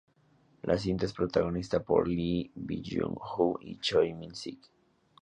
La cinta es protagonizada por Lee Byung-hun y Choi Min-sik.